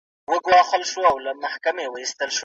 هغه د هیواد وضعیت ته هیڅ پاملرنه نه کوي.